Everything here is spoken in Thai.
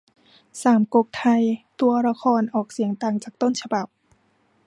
สามก๊กไทย ตัวละครออกเสียงต่างจากต้นฉบับ